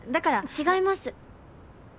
違います。